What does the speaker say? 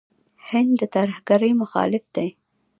هند د ترهګرۍ مخالف دی.